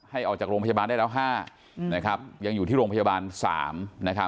ให้ออกจากโรงพยาบาลได้แล้วห้านะครับยังอยู่ที่โรงพยาบาลสามนะครับ